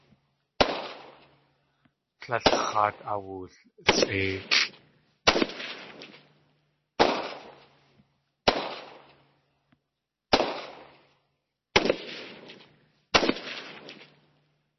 Tlél x̲aat awulsʼéilʼ.